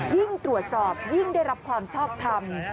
ยิ่งตรวจสอบยิ่งได้รับความชอบทำ